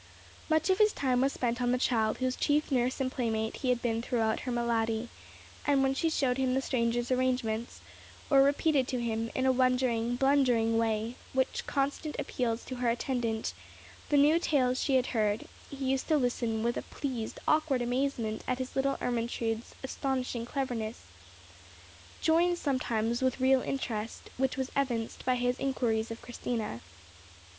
Much of his time was spent on the child, whose chief nurse and playmate he had been throughout her malady; and when she showed him the stranger's arrangements, or repeated to him, in a wondering, blundering way, with constant appeals to her attendant, the new tales she had heard, he used to listen with a pleased awkward amazement at his little Ermentrude's astonishing cleverness, joined sometimes with real interest, which was evinced by his inquiries of Christina.